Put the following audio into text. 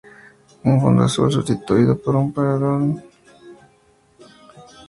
Un fondo azul, sustituido por un paredón, remarcan la influencia de Goya.